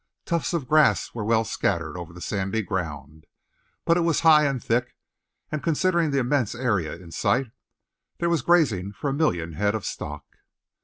Tufts of grass were well scattered over the sandy ground, but it was high and thick, and considering the immense area in sight, there was grazing for a million head of stock.